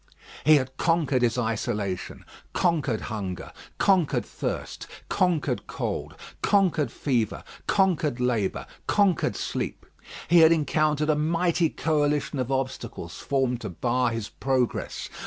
He had conquered his isolation, conquered hunger, conquered thirst, conquered cold, conquered fever, conquered labour, conquered sleep. He had encountered a mighty coalition of obstacles formed to bar his progress.